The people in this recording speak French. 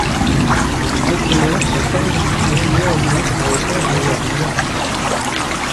Ces documents sont périodiquement mis à jour dans le cadre de la loi.